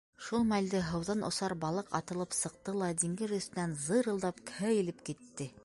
Шул мәлде һыуҙан осар балыҡ атылып сыҡты ла диңгеҙ өҫтөнән зырылдап кәйелеп китте.